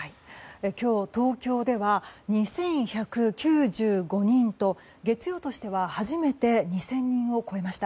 今日東京では２１９５人と月曜としては初めて２０００人を超えました。